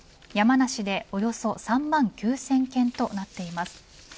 山梨でおよそ３万９０００軒となっています。